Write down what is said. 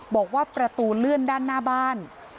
บอกว่าประตูเลื่อนด้านหน้าบ้าน